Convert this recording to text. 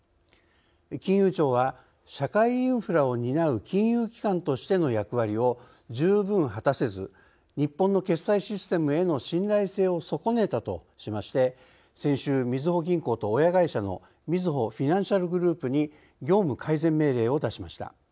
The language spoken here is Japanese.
金融庁は、社会インフラを担う金融機関としての役割を十分果たせず日本の決済システムへの信頼性を損ねたとしまして先週、みずほ銀行と親会社のみずほフィナンシャルグループに業務改善命令を出しました。